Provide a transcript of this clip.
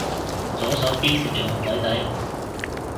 左手邊貼住紅底底